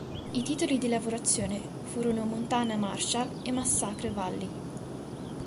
I titoli di lavorazione furono "Montana Marshal" e "Massacre Valley".